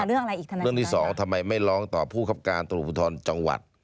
เรื่องอะไรอีกคณะเรื่องที่สองทำไมไม่ร้องต่อผู้คับการตรวจภูทรจังหวัด